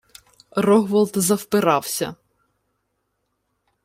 Рогволод завпирався: